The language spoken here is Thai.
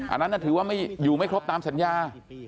อันนั้นถือว่าอยู่ไม่ครบตามสัญญา